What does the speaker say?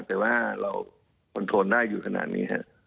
แต่ว่าเราคอนโทนได้อยู่ขนาดนี้ครับ